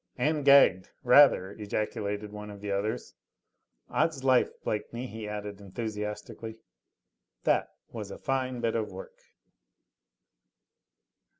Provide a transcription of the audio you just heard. "And gagged! Rather!" ejaculated one of the others. "Odds life, Blakeney!" he added enthusiastically, "that was a fine bit of work!"